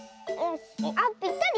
あっぴったり。